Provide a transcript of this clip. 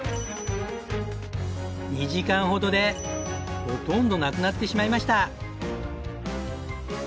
２時間ほどでほとんどなくなってしまいました。